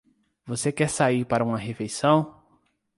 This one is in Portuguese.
Você quer sair para uma refeição?